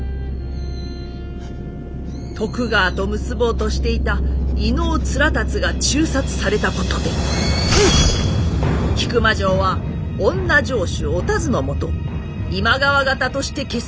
徳川と結ぼうとしていた飯尾連龍が誅殺されたことで引間城は女城主お田鶴のもと今川方として結束。